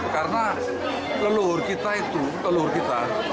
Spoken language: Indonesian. karena leluhur kita itu telur kita